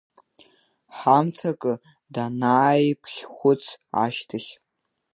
Ҳамҭакы данааиԥхьхәыц ашьҭахь…